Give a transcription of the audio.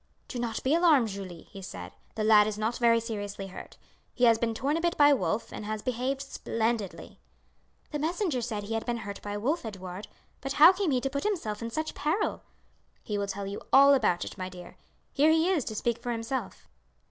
"Do not be alarmed, Julie," he said; "the lad is not very seriously hurt. He has been torn a bit by a wolf, and has behaved splendidly." "The messenger said he had been hurt by a wolf, Edouard; but how came he to put himself in such peril?" "He will tell you all about it, my dear. Here he is to speak for himself."